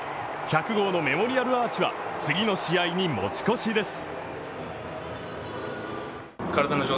１００号のメモリアルアーチは次の試合に持ち越しです。